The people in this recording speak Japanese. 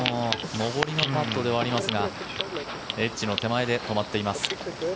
上りのパットではありますがエッジの手前で止まっています。